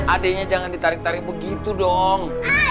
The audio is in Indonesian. adiknya jangan ditarik tarik begitu dong